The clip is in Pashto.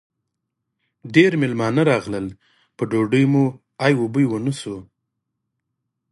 ډېر مېلمانه راغلل؛ په ډوډۍ مو ای و بوی و نه شو.